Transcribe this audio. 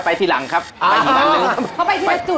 ก็ไปที่หลังครับ